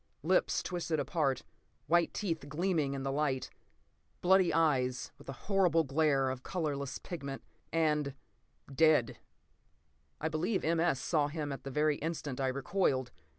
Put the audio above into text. Lips twisted apart. White teeth gleaming in the light. Bloody eyes, with a horrible glare of colorless pigment. And—dead. I believe M. S. saw him at the very instant I recoiled.